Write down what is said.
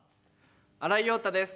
新井庸太です。